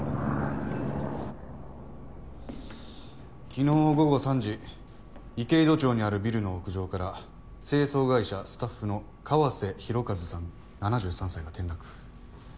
昨日午後３時いけいど町にあるビルの屋上から清掃会社スタッフの川瀬洋和さん７３歳が転落。